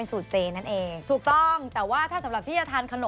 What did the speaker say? เอ่อนะทานด้วยกันแล้วกันน้อ